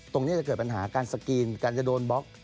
ตรงนี้จะเกิดปัญหาการสกรีนการจะโดนบล็อก